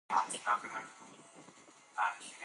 د ریګ دښتې د افغانستان د شنو سیمو ښکلا ده.